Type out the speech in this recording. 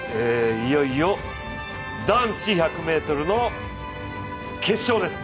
いよいよ男子１００ｍの決勝です。